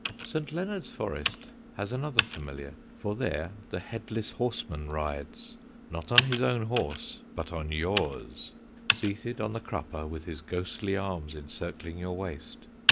St. Leonard's Forest has another familiar; for there the headless horseman rides, not on his own horse, but on yours, seated on the crupper with his ghostly arms encircling your waist.